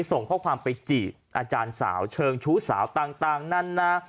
ส่งข้อความไปจีบอาจารย์สาวเชิงชู้สาวต่างนั้นนะ